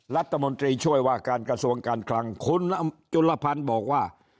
รัฐมนตรีช่วยว่าการกระทรวงการคลังคุณจุลพันธ์บอกว่า